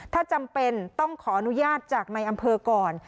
ถ้าจำเป็นต้องขออนุญาตจากในอำเภอก่อน